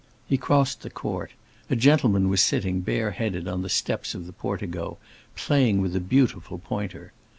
He crossed the court; a gentleman was sitting, bareheaded, on the steps of the portico, playing with a beautiful pointer.